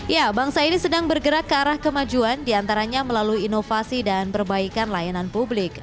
ya bangsa ini sedang bergerak ke arah kemajuan diantaranya melalui inovasi dan perbaikan layanan publik